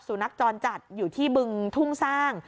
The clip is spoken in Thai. สุนัขจรจัดอยู่ที่บึงทุ่งสร้าง